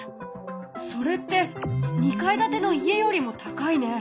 それって２階建ての家よりも高いね。